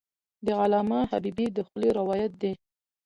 د علامه حبیبي د خولې روایت دی.